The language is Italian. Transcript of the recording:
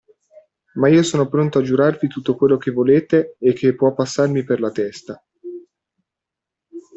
Ma io sono pronto a giurarvi tutto quello che volete e che può passarmi per la testa.